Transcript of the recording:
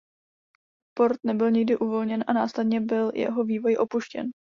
Port nebyl nikdy uvolněn a následně byl jeho vývoj opuštěn.